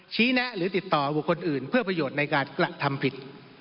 แนะหรือติดต่อบุคคลอื่นเพื่อประโยชน์ในการกระทำผิด